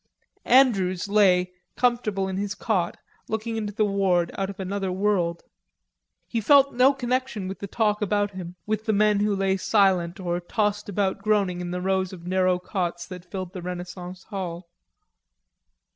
Andrews lay, comfortable in his cot, looking into the ward out of another world. He felt no connection with the talk about him, with the men who lay silent or tossed about groaning in the rows of narrow cots that filled the Renaissance hall.